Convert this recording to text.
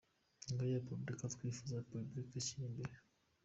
Ngiyo Repubulika twifuza, Repubulika ishyira imbere